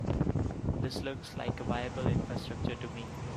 This looks like a viable infrastructure to me.